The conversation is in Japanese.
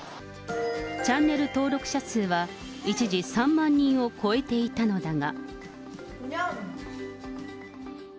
チャンネル登録者数は一時３万人を超えていたのだが。